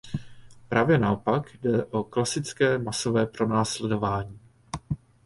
Právě naopak, jde o klasické masové pronásledování.